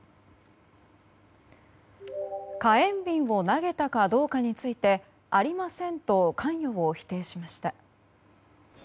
火炎瓶を投げたかどうかについてありませんと関与を否定しました。